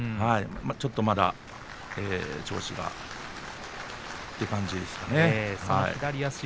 ちょっとまだ調子がという感じですかね。